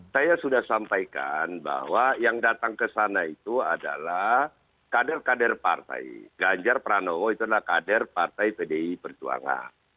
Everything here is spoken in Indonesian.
saya sudah sampaikan bahwa yang datang ke sana itu adalah kader kader partai ganjar pranowo itu adalah kader partai pdi perjuangan